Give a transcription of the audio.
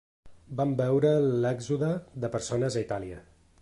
Vam veure l’èxode de persones a Itàlia.